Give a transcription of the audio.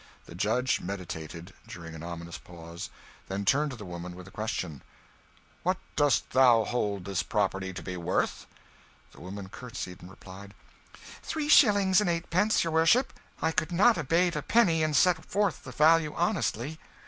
The judge meditated, during an ominous pause, then turned to the woman, with the question "What dost thou hold this property to be worth?" The woman courtesied and replied "Three shillings and eightpence, your worship I could not abate a penny and set forth the value honestly."